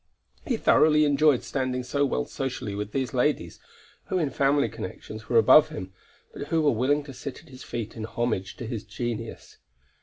He thoroughly enjoyed standing so well socially with these ladies, who in family connections were above him, but who were willing to sit at his feet in homage to his genius.